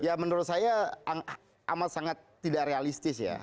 ya menurut saya amat sangat tidak realistis ya